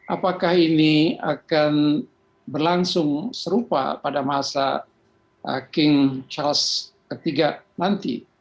apakah ini akan berlangsung serupa pada masa king charles ketiga nanti